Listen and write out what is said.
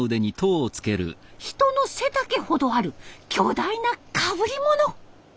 人の背丈ほどある巨大なかぶりもの。